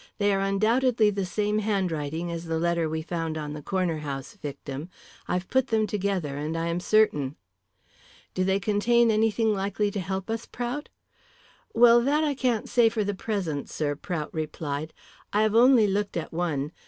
They are undoubtedly the same handwriting as the letter we found on the Corner House victim. I've put them together, and I am certain." "Do they contain anything likely to help us, Prout?" "Well, that I can't say for the present, sir," Prout replied. "I have only looked at one.